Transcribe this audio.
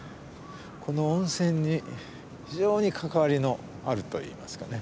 この温泉に非常に関わりのあるといいますかね